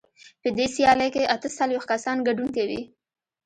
په دې سیالۍ کې اته څلوېښت کسان ګډون کوي.